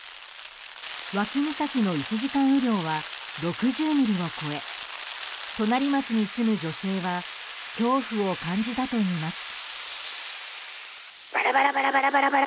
脇岬の１時間雨量が６０ミリを超え隣町に住む女性は恐怖を感じたといいます。